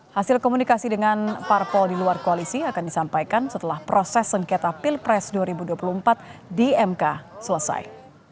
hasil komunikasi dengan parpol di luar koalisi akan disampaikan setelah proses sengketa pilpres dua ribu dua puluh empat di mk selesai